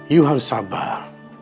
you harus sabar